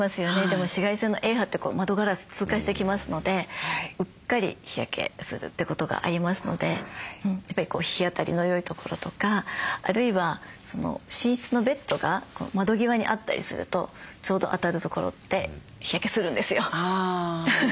でも紫外線のＡ波って窓ガラス通過してきますのでうっかり日焼けするってことがありますのでやっぱり日当たりの良いところとかあるいは寝室のベッドが窓際にあったりするとちょうど当たるところって日焼けするんですよ。